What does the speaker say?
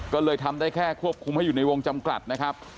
ก็เลยทำได้แค่ควบคุมให้อยู่ในวงจำกัดนะครับ